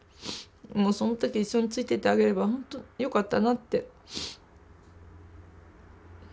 その時一緒についていってあげればほんとよかったなって。